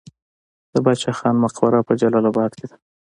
د باچا خان مقبره په جلال اباد کې ده